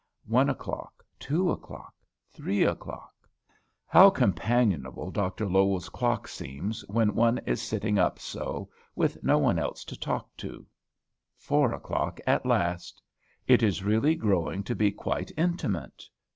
One o'clock, two o'clock, three o'clock. How companionable Dr. Lowell's clock seems when one is sitting up so, with no one else to talk to! Four o'clock at last; it is really growing to be quite intimate.